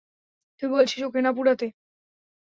তুই বলছিস ওকে না পুড়তে?